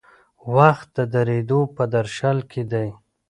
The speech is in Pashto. وخت د درېدو په درشل کې دی.